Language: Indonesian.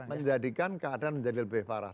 menjadikan keadaan menjadi lebih parah